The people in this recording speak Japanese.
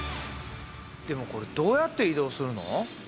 でもこれどうやって移動するの？